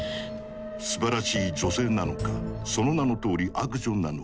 「すばらしい女性」なのか「その名のとおり悪女」なのか。